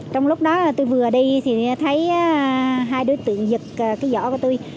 tôi vừa đi thì thấy hai đối tượng giật cái giỏ của tôi